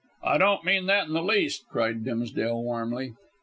"I don't mean that in the least," cried Dimsdale warmly.